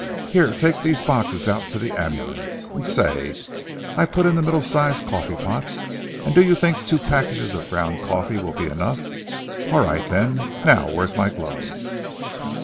Here, take these boxes out to the ambulance. And, say, I put in the middle sized coffee pot, and do you think two packages of ground coffee will be enough? All right, then. Now, where's my gloves?"